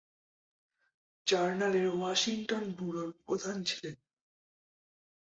তিনি "জার্নাল" এর ওয়াশিংটন ব্যুরোর প্রধান ছিলেন।